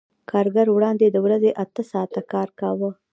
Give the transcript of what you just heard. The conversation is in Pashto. کارګر وړاندې د ورځې اته ساعته کار کاوه